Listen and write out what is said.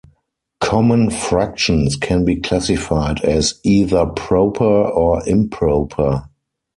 Common fractions can be classified as either proper or improper.